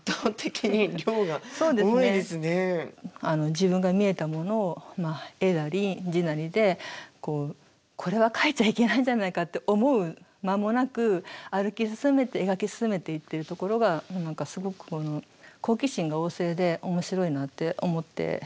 自分が見えたものを絵なり字なりでこれは描いちゃいけないんじゃないかって思う間もなく歩き進めて描き進めていってるところがすごく好奇心が旺盛で面白いなって思っていました。